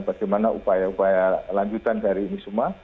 bagaimana upaya upaya lanjutan dari ini semua